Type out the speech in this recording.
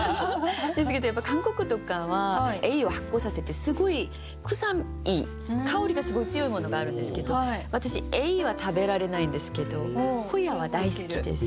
ですけど韓国とかはエイを発酵させてすごい臭い香りがすごい強いものがあるんですけど私エイは食べられないんですけど海鞘は大好きです。